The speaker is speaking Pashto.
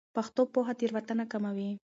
پښتو پوهه تېروتنه کموي.